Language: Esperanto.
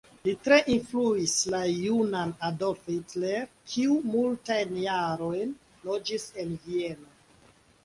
Li tre influis la junan Adolf Hitler, kiu multajn jarojn loĝis en Vieno.